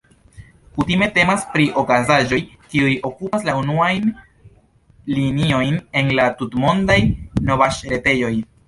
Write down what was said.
Kutime temas pri okazaĵoj, kiuj okupas la unuajn liniojn en la tutmondaj novaĵretejoj.